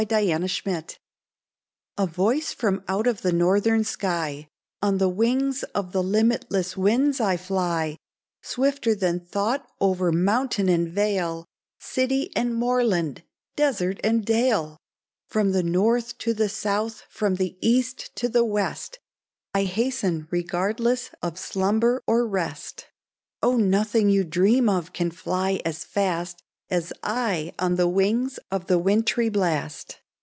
SANTA CLAUS A VOICE from out of the northern sky :" On the wings of the hmitless winds I fly, Swifter than thought over mountain and vale, City and moorland, desert and dale ! From the north to the south, from the east to the west, I hasten regardless of slumber or rest ; Oh, nothing you dream of can fly as fast As I on the wings of the wintry blast